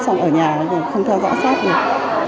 xong ở nhà thì không theo dõi sát được